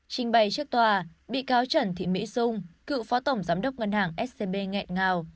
trình bày trước tòa bị cáo trần thị mỹ dung cựu phó tổng giám đốc ngân hàng scb nghẹn ngào